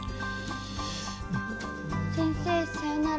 先生さよなら。